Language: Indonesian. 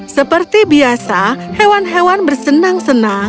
seperti biasa hewan hewan bersenang senang